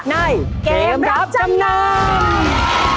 ในเกมรับจำนำ